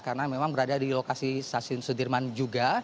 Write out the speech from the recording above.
karena memang berada di lokasi stasiun sudirman juga